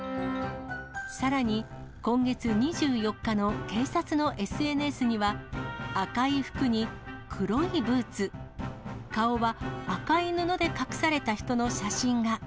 さらに、今月２４日の警察のＳＮＳには、赤い服に黒いブーツ、顔は赤い布で隠された人の写真が。